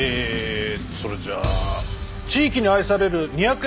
それじゃあ地域に愛される２００円